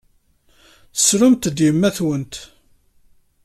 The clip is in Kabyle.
Tessrumt-d yemma-twent.